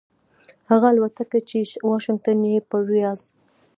هغه الوتکې چې واشنګټن یې پر ریاض